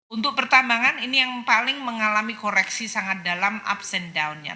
untuk pertambangan ini yang paling mengalami koreksi sangat dalam ups and downnya